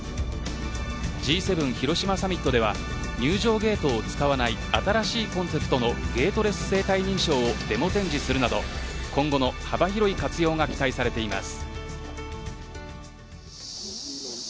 Ｇ７広島サミットでは入場ゲートを使わない新しいコンセプトのゲートレス生体認証をデモ展示するなど今後の幅広い活用が期待されています。